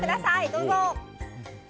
どうぞ！